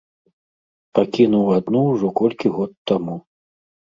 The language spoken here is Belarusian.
Пакінуў адну ўжо колькі год таму!